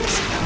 di sini han